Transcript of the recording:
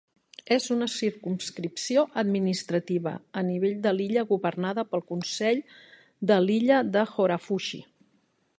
És una circumscripció administrativa a nivell de l'illa governada pel Consell de l'illa de Hoarafushi.